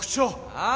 ああ！？